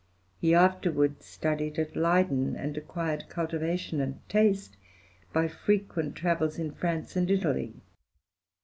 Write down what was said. He afterwards studied at Leyden, and acquired cultivation and taste by frequent travels in France and Italy.